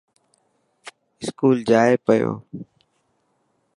اسڪول جائي پيو.